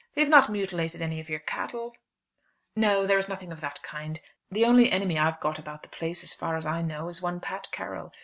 They have not mutilated any of your cattle?" "No, there is nothing of that kind. The only enemy I've got about the place, as far as I know, is one Pat Carroll.